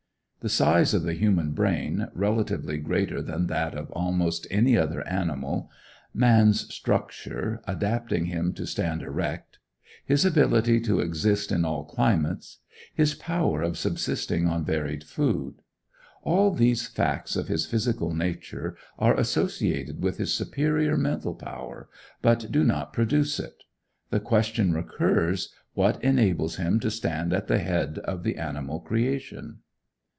The size of the human brain, relatively greater than that of almost any other animal; man's structure, adapting him to stand erect; his ability to exist in all climates; his power of subsisting on varied food: all these facts of his physical nature are associated with his superior mental power, but do not produce it. The question recurs, What enables him to stand at the head of the animal creation?